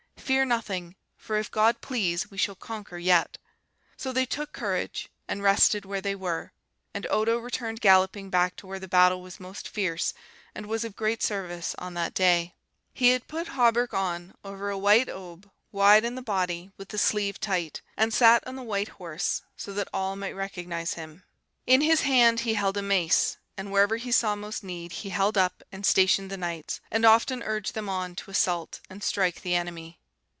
fear nothing, for if God please, we shall conquer yet.' So they took courage, and rested where they were; and Odo returned galloping back to where the battle was most fierce, and was of great service on that day. He had put hauberk on, over a white aube, wide in the body, with the sleeve tight; and sat on a white horse, so that all might recognise him. In his hand he held a mace, and wherever he saw most need he held up and stationed the knights, and often urged them on to assault and strike the enemy.